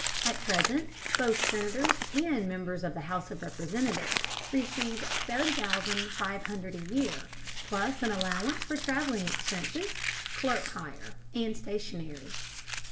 At present both Senators and members of the House of Representatives receive $7500 a year, plus an allowance for travelling expenses, clerk hire, and stationery.